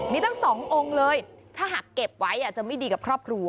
มีตั้ง๒องค์เลยถ้าหากเก็บไว้อาจจะไม่ดีกับครอบครัว